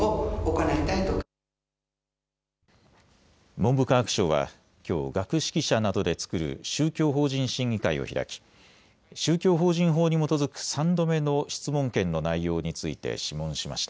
文部科学省はきょう学識者などで作る宗教法人審議会を開き宗教法人法に基づく３度目の質問権の内容について諮問しました。